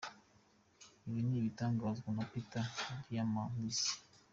Ibi ni ibitangazwa na Peter Diamandis.